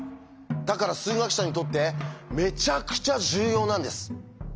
だから数学者にとってめちゃくちゃ重要なんです。